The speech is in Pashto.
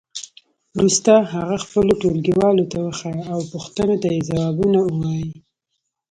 وروسته هغه خپلو ټولګیوالو ته وښیئ او پوښتنو ته یې ځوابونه ووایئ.